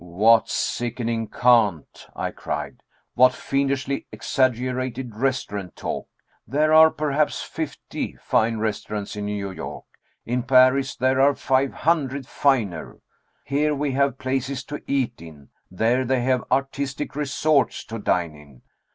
'" "What sickening cant!" I cried. "What fiendishly exaggerated restaurant talk! There are perhaps fifty fine restaurants in New York. In Paris there are five hundred finer. Here we have places to eat in; there they have artistic resorts to dine in.